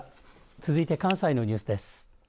続いて関西のニュースです。